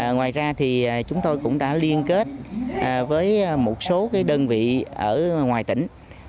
ngoài ra thì chúng tôi cũng đã liên kết với một số đơn vị ở ngoài tỉnh